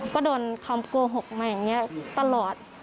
ก็โดนคำโกหกมาอย่างนี้ตลอด